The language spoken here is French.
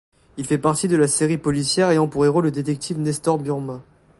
Il fait partie de la série policière ayant pour héros le détective Nestor Burma.